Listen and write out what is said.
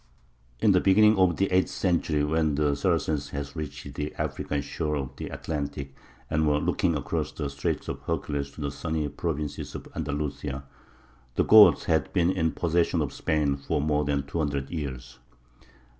In the beginning of the eighth century, when the Saracens had reached the African shore of the Atlantic and were looking across the Straits of Hercules to the sunny provinces of Andalusia, the Goths had been in possession of Spain for more than two hundred years.